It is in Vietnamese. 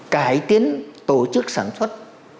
cải tiến tổ chức sản xuất